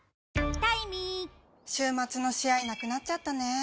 週末の試合なくなっちゃったねー。